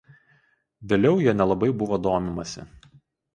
Vėliau ja nelabai buvo domimasi.